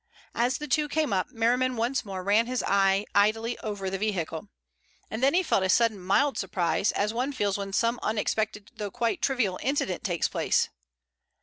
As the two came up, Merriman once more ran his eye idly over the vehicle. And then he felt a sudden mild surprise, as one feels when some unexpected though quite trivial incident takes place.